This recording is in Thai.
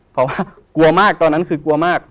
เพราะว่ากลัวมากตอนนั้นคือกลัวมาก